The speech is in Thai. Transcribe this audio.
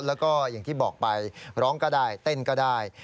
แล้วก็อย่างที่บอกไปร้องก็ได้เต้นก็ได้